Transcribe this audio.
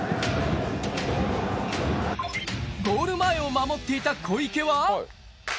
ゴール前を守っていた小池は。